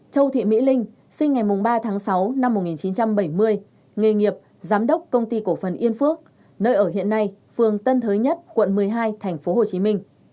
châu thị mỹ linh sinh ngày ba tháng sáu năm một nghìn chín trăm bảy mươi nghề nghiệp giám đốc công ty cổ phần yên phước nơi ở hiện nay phường tân thới nhất quận một mươi hai tp hcm